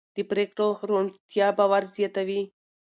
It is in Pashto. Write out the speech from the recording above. د پرېکړو روڼتیا باور زیاتوي